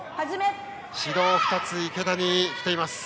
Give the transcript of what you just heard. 指導２つが池田に来ています。